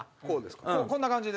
こんな感じで。